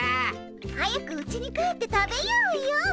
早くうちに帰って食べようよ。